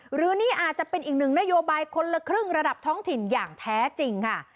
หรือนี่อาจจะเป็นอีกหนึ่งนโยบายคนละครึ่งระดับท้องถิ่นอย่างแท้จริงค่ะ